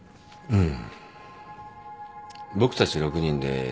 うん。